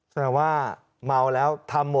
แปลว่าเม้าแล้ว